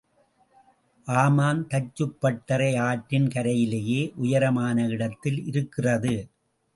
ஆமாம், தச்சுப்பட்டறை ஆற்றின் கரையிலேயே உயரமான இடத்தில் இருக்கிறது.